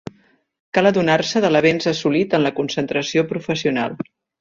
Cal adonar-se de l'avenç assolit en la concentració professional.